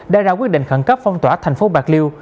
đã ra quyết định khẩn cấp phong tỏa thành phố bạc liêu